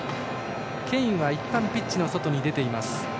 ケインはいったんピッチの外に出ています。